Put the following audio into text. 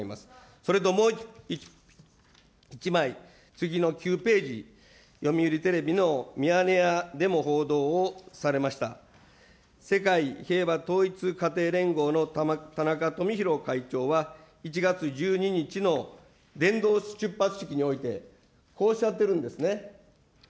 それともう１枚、次の９ページ、読売テレビのミヤネ屋でも報道をされました、世界平和統一家庭連合の田中富広会長は、１月１２日の伝道出発式において、こうおっしゃってるんですね。